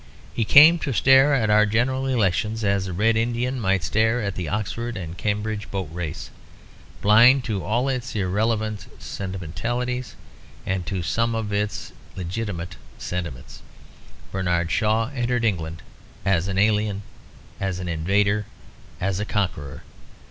He came to stare at our general elections as a Red Indian might stare at the Oxford and Cambridge boat race, blind to all its irrelevant sentimentalities and to some of its legitimate sentiments. Bernard Shaw entered England as an alien, as an invader, as a conqueror.